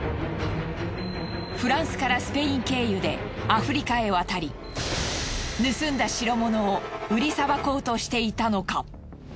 フランスからスペイン経由でアフリカへ渡り盗んだ代物を売りさばこうとしていたのか？